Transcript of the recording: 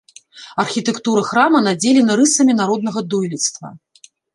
Архітэктура храма надзелена рысамі народнага дойлідства.